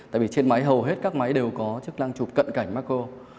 tại vì trên máy hầu hết các máy đều có chức năng chụp cận cảnh macro